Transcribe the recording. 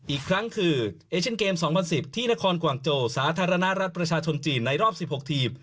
อีกครั้งคือเอเชียนเกม๒๐๑๐ที่นครกวางโจสาธารณรัฐประชาชนจีนในรอบ๑๖ทีม